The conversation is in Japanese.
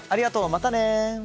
またね。